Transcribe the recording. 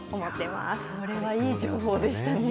これはいい情報でしたね。